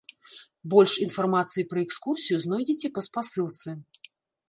Больш інфармацыі пра экскурсію знойдзеце па спасылцы.